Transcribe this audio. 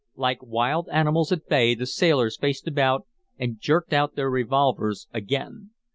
Like wild animals at bay the sailors faced about and jerked out their revolvers again.